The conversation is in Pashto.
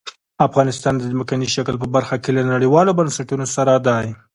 افغانستان د ځمکني شکل په برخه کې له نړیوالو بنسټونو سره دی.